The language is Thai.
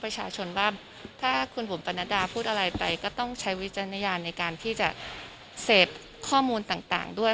ประชาชนว่าถ้าคุณบุ๋มปนัดดาพูดอะไรไปก็ต้องใช้วิจารณญาณในการที่จะเสพข้อมูลต่างด้วย